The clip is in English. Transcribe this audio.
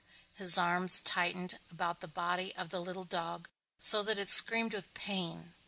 His arms tightened about the body of the little dog so that it screamed with pain.